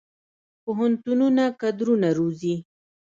پوهنتونونه کادرونه روزي